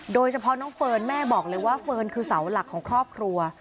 โดยเฉพาะน้องเฟิร์นแม่บอกเลยว่าเฟิร์นคือเสาหลักของครอบครัว